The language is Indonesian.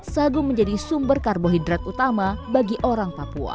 sagu menjadi sumber karbohidrat utama bagi orang papua